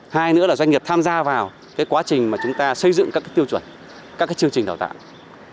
hai nữa là doanh nghiệp tham gia vào quá trình mà chúng ta xây dựng các tiêu chuẩn các chương trình đào tạo